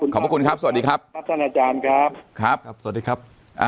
ขอบคุณครับคุณท่านอาจารย์ครับสวัสดีครับ